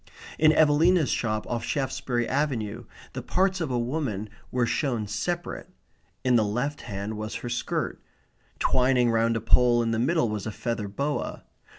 In Evelina's shop off Shaftesbury Avenue the parts of a woman were shown separate. In the left hand was her skirt. Twining round a pole in the middle was a feather boa.